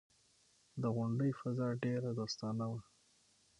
د غونډې فضا ډېره دوستانه وه.